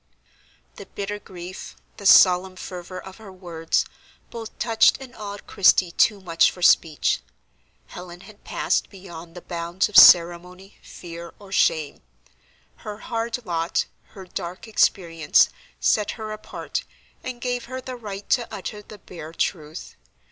The bitter grief, the solemn fervor of her words, both touched and awed Christie too much for speech. Helen had passed beyond the bounds of ceremony, fear, or shame: her hard lot, her dark experience, set her apart, and gave her the right to utter the bare truth.